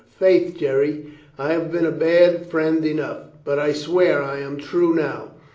"Faith, Jerry, I have been a bad friend enough, but I swear I am true now.